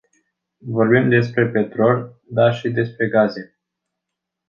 Vorbim despre petrol, dar și despre gaze.